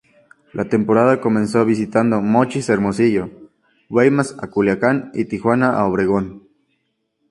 La temporada comenzó visitando Mochis a Hermosillo, Guaymas a Culiacán y Tijuana a Obregón.